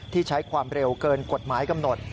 ใช้ความเร็วเกินกฎหมายกำหนด